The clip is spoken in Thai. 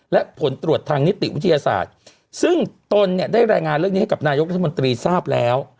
และผลตรวจทางนิติวิทยาศาสตร์ซึ่งตนเนี่ยได้รายงานเรื่องนี้ให้กับนายกรัฐมนตรีทราบแล้ว